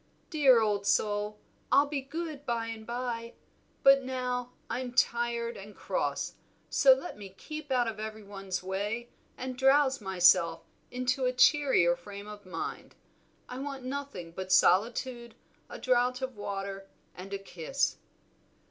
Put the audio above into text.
"Dear old soul, I'll be good by and by, but now I'm tired and cross, so let me keep out of every one's way and drowse myself into a cheerier frame of mind. I want nothing but solitude, a draught of water, and a kiss."